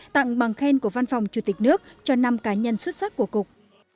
tặng bằng khen của văn phòng chủ tịch nước cho năm cá nhân xuất sắc của cục